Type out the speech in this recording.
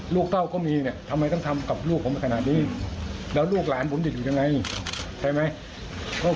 เต้าก็มีเนี่ยทำไมต้องทำกับลูกผมขนาดนี้แล้วลูกหลานผมจะอยู่ยังไงใช่ไหม